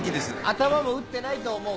頭も打ってないと思う。